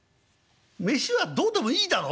飯はどうでもいいだろ？」。